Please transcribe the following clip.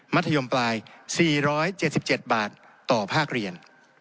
ธยมปลาย๔๗๗บาทต่อภาคเรียน